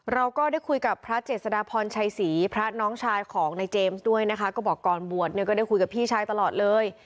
เราก็ได้คุยกับพระเจษฎาพรชัยศรีพระน้องชายของในเจมส์ด้วยนะคะก็บอกก่อนบวชเนี่ยก็ได้คุยกับพี่ชายตลอดเลย